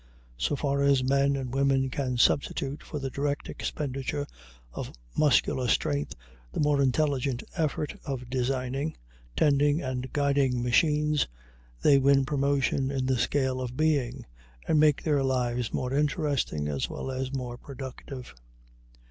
So far as men and women can substitute for the direct expenditure of muscular strength the more intelligent effort of designing, tending, and guiding machines, they win promotion in the scale of being, and make their lives more interesting as well as more productive.